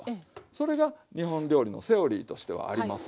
それが日本料理のセオリーとしてはあります。